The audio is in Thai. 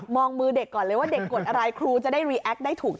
องมือเด็กก่อนเลยว่าเด็กกดอะไรครูจะได้รีแอคได้ถูก